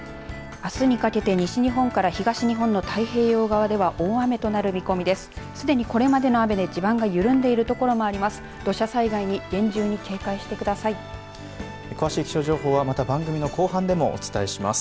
あすにかけて、西日本から東日本の太平洋側では大雨となる見込みです。